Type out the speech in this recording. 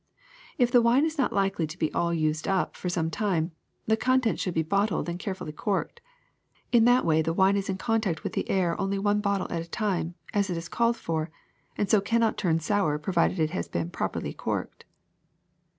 If the wine is not likely to be all used up for some time, the contents should be bottled and care fully corked. In that way the wine is in contact with the air only one bottle at a time, as it is called for, and so cannot turn sour provided it has been prop erly corked.